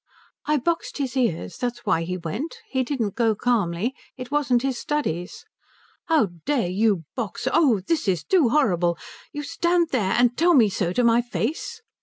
"I boxed his ears. That's why he went. He didn't go calmly. It wasn't his studies." "How dare you box oh, this is too horrible and you stand there and tell me so to my face?"